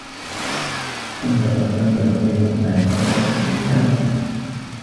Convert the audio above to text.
أنتَ قَدَمتَ تقريراً معي قبل إسبوعين.